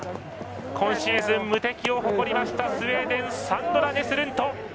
今シーズン、無敵を誇りましたスウェーデンサンドラ・ネスルント。